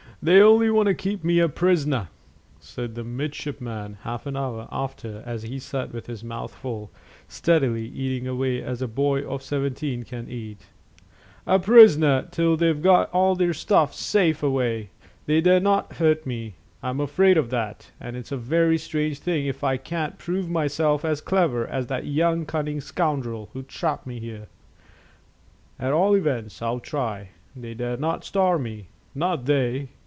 "They only want to keep me a prisoner," said the midshipman half an hour after, as he sat with his mouth full, steadily eating away as a boy of seventeen can eat "a prisoner till they've got all their stuff safe away. They dare not hurt me. I'm not afraid of that, and it's a very strange thing if I can't prove myself as clever as that cunning young scoundrel who trapped me here. At all events, I'll try. They dare not starve me: not they.